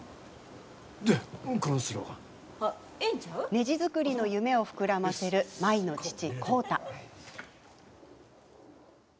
ねじ作りの夢を膨らませる舞の父、浩太。